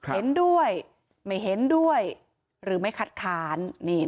เห็นด้วยไม่เห็นด้วยหรือไม่คัดค้าน